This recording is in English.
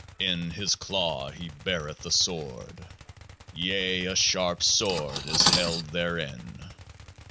In His claws He beareth a sword ; yea, a sharp sword is held therein.